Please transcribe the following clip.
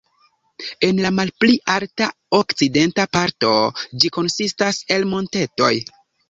En la malpli alta okcidenta parto ĝi konsistas el montetoj.